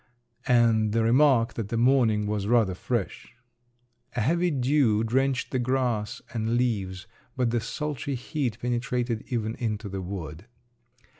and the remark that the morning was rather fresh. A heavy dew drenched the grass and leaves, but the sultry heat penetrated even into the wood.